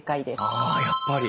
あやっぱり。